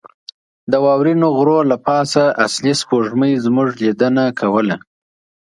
د واورینو غرو له پاسه اصلي سپوږمۍ زموږ لیدنه کوله.